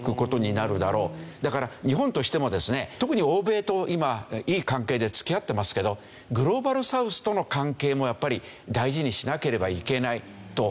だから日本としてもですね特に欧米と今いい関係で付き合ってますけどグローバルサウスとの関係もやっぱり大事にしなければいけないとこういうわけですね。